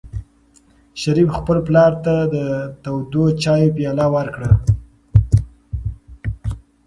شریف خپل پلار ته د تودو چایو پیاله ورکړه.